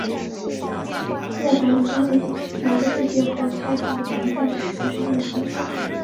莫怀米相信魔兽世界和泰坦能在市场上共存。